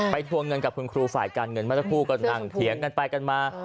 ทวงเงินกับคุณครูฝ่ายการเงินเมื่อสักครู่ก็นั่งเถียงกันไปกันมา